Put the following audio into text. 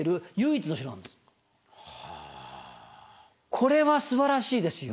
これはすばらしいですよ。